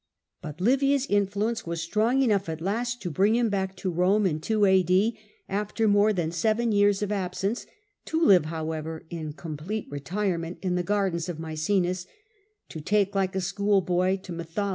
But Livia's influence was strong enough at last to bring him back to Rome* after more than seven years of absence, to live, Uvia pro however, in complete retirement in the gardens of Maecenas, to take like a schoolboy to mytho (a.